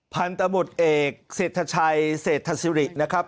พันธุ์ตะบุตรเอกเศษทชัยเศษฐศิรินะครับ